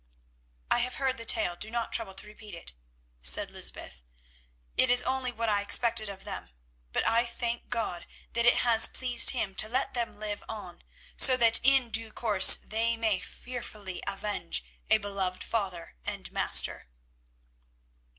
"I have heard the tale; do not trouble to repeat it," said Lysbeth. "It is only what I expected of them, but I thank God that it has pleased Him to let them live on so that in due course they may fearfully avenge a beloved father and master."